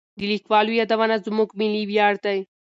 د لیکوالو یادونه زموږ ملي ویاړ دی.